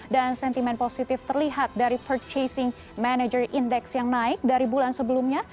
dan sentimen positif terlihat dari purchasing manager index yang naik dari bulan sebelumnya